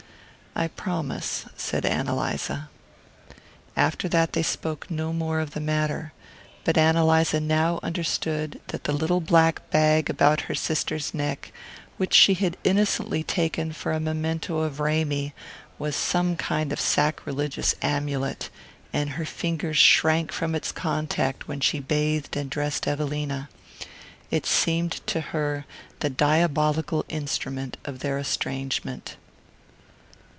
"I promise," said Ann Eliza. After that they spoke no more of the matter; but Ann Eliza now understood that the little black bag about her sister's neck, which she had innocently taken for a memento of Ramy, was some kind of sacrilegious amulet, and her fingers shrank from its contact when she bathed and dressed Evelina. It seemed to her the diabolical instrument of their estrangement.